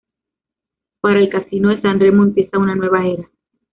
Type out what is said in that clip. Para el Casino de San Remo empieza una nueva era.